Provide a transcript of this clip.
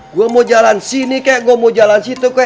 gue mau jalan sini kek gue mau jalan situ kek